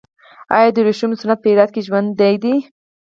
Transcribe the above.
آیا د ورېښمو صنعت په هرات کې ژوندی دی؟